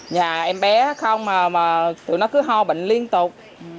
nhà em bé không mà tụi nó cứ ho bệnh liên tục